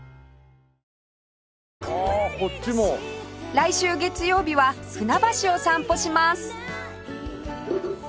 来週月曜日は船橋を散歩します